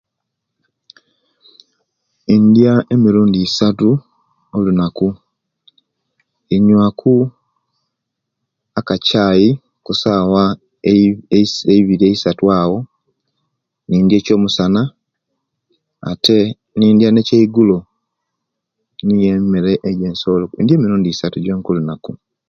India emirundi isatu olunaku. Inywaku akakyayi kusawa ebi esa ebiri eisatu, kuba awo ni indya ekyomusana ate nendya ekyeyigulo, niyo emere ejenso Indiya emirundi isatu jonka kulunaku.